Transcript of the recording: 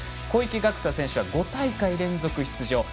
小池岳太選手は５大会連続出場。